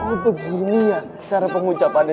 oh begini ya cara pengucapannya